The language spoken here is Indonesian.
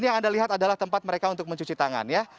yang anda lihat adalah tempat mereka untuk mencuci tangan ya